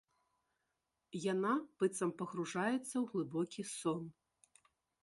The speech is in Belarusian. Яна быццам пагружаецца ў глыбокі сон.